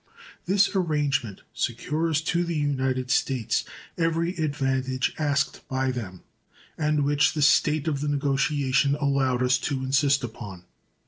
This arrangement secures to the United States every advantage asked by them, and which the state of the negotiation allowed us to insist upon.